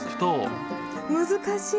難しい！